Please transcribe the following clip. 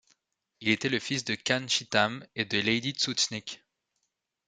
Il était le fils de K'an Chitam et de Lady Tzutz Nik.